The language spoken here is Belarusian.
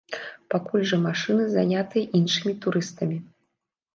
Пакуль жа машыны занятыя іншымі турыстамі.